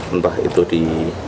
entah itu di